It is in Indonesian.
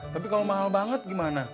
tapi kalau mahal banget gimana